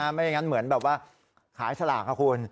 ไม่อย่างนั้นเหมือนแบบว่าขายสลากค่ะคุณ